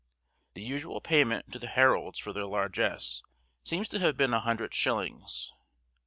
The usual payment to the heralds for their largess seems to have been a hundred shillings.